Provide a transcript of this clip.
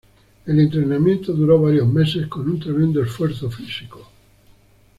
El entrenamiento duró varios meses con un tremendo esfuerzo físico.